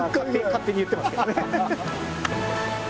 勝手に言ってますけど。